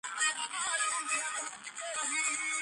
სწორედ მაშინ დაიწყო ინგლისური კლუბების ჰეგემონია.